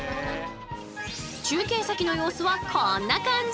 中継先の様子はこんな感じ。